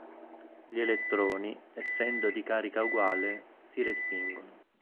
Gli elettroni, essendo di carica uguale, si respingono.